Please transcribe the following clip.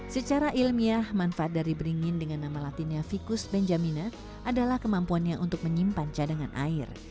secara ilmiah manfaat dari beringin dengan nama latinnya ficus benjaminan adalah kemampuannya untuk menyimpan cadangan air